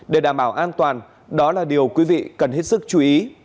để đảm bảo an toàn đó là điều quý vị cần hết sức chú ý